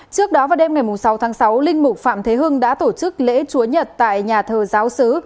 trước đó vào đêm ngày sáu tháng sáu linh mục phạm thế hưng đã tổ chức lễ chúa nhật tại nhà thờ giáo sứ